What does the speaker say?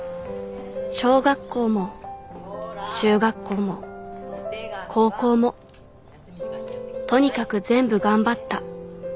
小学校も中学校も高校もとにかく全部頑張った